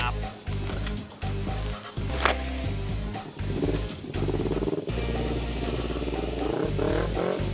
kamu guys yang best